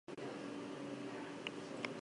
San Migelen baseliza ere aipatzekoa da.